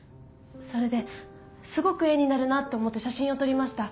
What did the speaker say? それですごく画になるなって思って写真を撮りました。